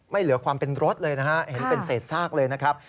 เหลือความเป็นรถเลยนะฮะเห็นเป็นเศษซากเลยนะครับ